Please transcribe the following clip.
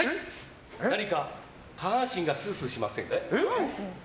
何か下半身がスースーしませんか？